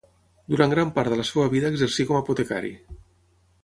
Durant gran part de la seva vida exercí com apotecari.